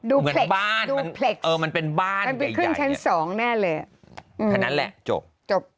ดูเพล็กซ์มันเป็นบ้านมันไปขึ้นชั้นสองแน่เลยคนนั้นแหละจบจบ